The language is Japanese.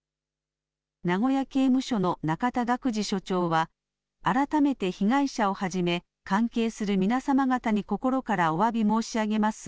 名古屋刑務所の中田学司所長は、改めて被害者をはじめ、関係する皆様方に心からおわび申し上げます。